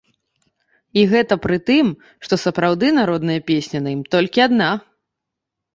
І гэта пры тым, што сапраўды народная песня на ім толькі адна.